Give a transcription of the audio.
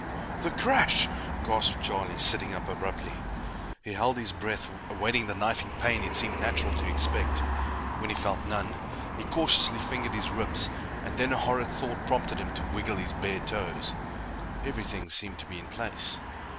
"The crash!" gasped Charlie, sitting up abruptly. He held his breath, awaiting the knifing pain it seemed natural to expect. When he felt none, he cautiously fingered his ribs, and then a horrid thought prompted him to wiggle his bare toes. Everything seemed to be in place.